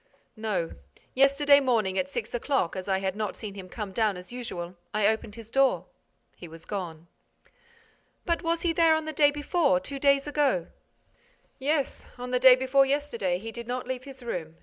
"No. Yesterday morning, at six o'clock, as I had not seen him come down as usual, I opened his door. He was gone." "But was he there on the day before, two days ago?" "Yes. On the day before yesterday, he did not leave his room.